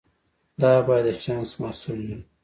دا باید د چانس محصول نه وي.